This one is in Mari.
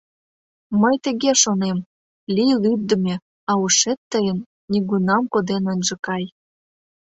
Мый тыге шонем: лий лӱддымӧ, а ушет тыйым нигунам коден ынже кай».